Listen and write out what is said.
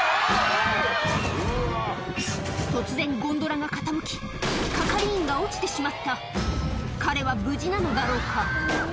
突然ゴンドラが傾き係員が落ちてしまった彼は無事なのだろうか？